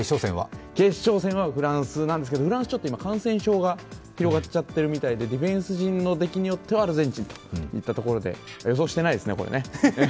決勝戦はフランスなんですけどフランスちょっと今、感染症が広がっちゃってるみたいでディフェンス陣の出来によってはアルゼンチンといったところでこれ、予想してないですね。